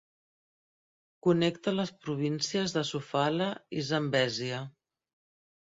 Connecta les províncies de Sofala i Zambézia.